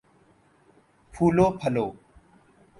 پھولو پھلو